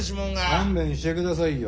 勘弁して下さいよ。